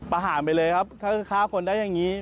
ประหารไปเลยครับถ้าฆ่าคนได้อย่างนี้